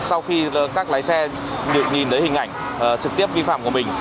sau khi các lái xe nhìn thấy hình ảnh trực tiếp vi phạm của mình